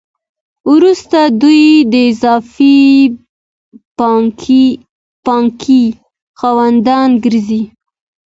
وروسته دوی د اضافي پانګې خاوندان ګرځي